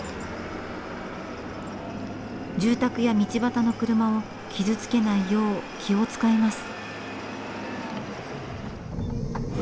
住宅や道端の車を傷つけないよう気を遣います。